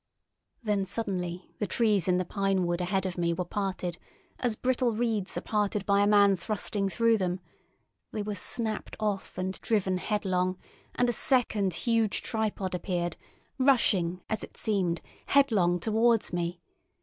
Then suddenly the trees in the pine wood ahead of me were parted, as brittle reeds are parted by a man thrusting through them; they were snapped off and driven headlong, and a second huge tripod appeared, rushing, as it seemed, headlong towards me.